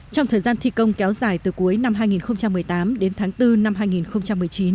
trong thời gian thi công kéo dài từ cuối năm hai nghìn một mươi tám đến tháng bốn năm hai nghìn một mươi chín